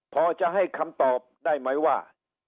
พอจะให้คำตอบได้ไหมว่า